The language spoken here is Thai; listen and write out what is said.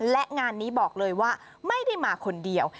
และงานนี้บอกเลยว่าไม่ได้มาคนเดียว